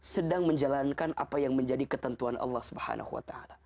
sedang menjalankan apa yang menjadi ketentuan allah swt